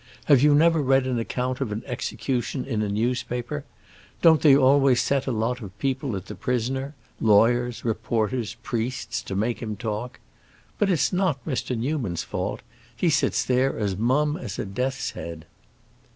Have you never read an account of an execution in a newspaper? Don't they always set a lot of people at the prisoner—lawyers, reporters, priests—to make him talk? But it's not Mr. Newman's fault; he sits there as mum as a death's head."